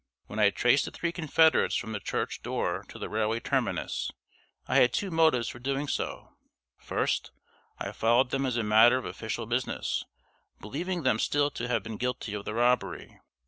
When I traced the three confederates from the church door to the railway terminus, I had two motives for doing so. First, I followed them as a matter of official business, believing them still to have been guilty of the robbery.